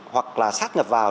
hoặc là sát nhập vào